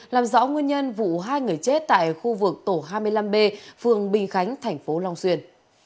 làm rõ nguyên nhân vụ hai người chết tại khu vực tổ hai mươi năm b phường bình khánh thành phố long xuyên